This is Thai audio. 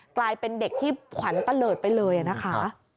กลายเป็นเด็กที่ขวัญตะเลิศไปเลยนะคะ